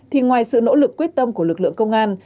thì ngoài sự nỗ lực quyết tâm của lực lượng công an